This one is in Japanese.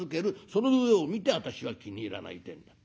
その上を見て私は気に入らないってえんだ。